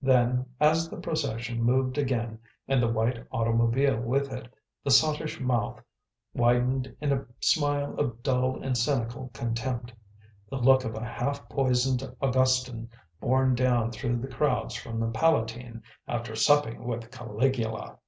Then, as the procession moved again and the white automobile with it, the sottish mouth widened in a smile of dull and cynical contempt: the look of a half poisoned Augustan borne down through the crowds from the Palatine after supping with Caligula.